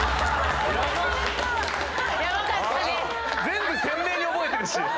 全部鮮明に覚えてるし。